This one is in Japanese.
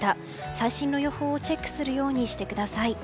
最新の予報をチェックするようにしてください。